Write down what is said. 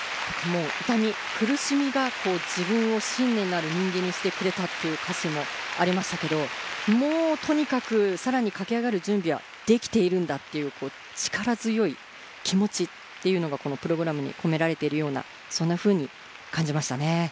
痛み苦しみが自分を信念のある人間にしてくれたっていう歌詞もありましたけどもうとにかくさらに駆け上がる準備はできているんだっていう力強い気持ちっていうのがこのプログラムに込められているようなそんなふうに感じましたね